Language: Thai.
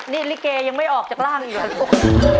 นี่ลิเกยังไม่ออกจากร่างอีกเหรอลูก